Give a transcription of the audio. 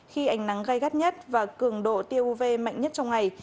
khi ánh nắng gai gát nhất và cường độ tiêu uv mạnh nhất trong ngày